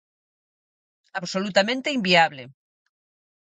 Absolutamente inviable.